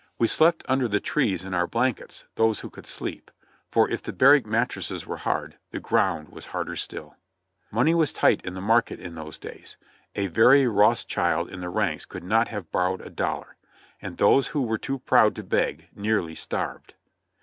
We slept under the trees in our blankets, those who could sleep, for if the barrack mattresses were hard, the ground was still harder. Money was tight in the market in those days — a very Roths child in the ranks could not have borrowed a dollar, and those who were too proud to beg nearly starved.